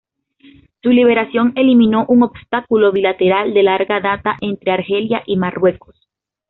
Su liberación eliminó un obstáculo bilateral de larga data entre Argelia y Marruecos.